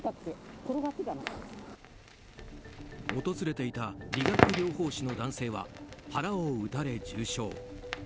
訪れていた理学療法士の男性は腹を撃たれ重傷。